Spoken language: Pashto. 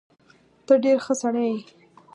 ته ډیر ښه سړی یې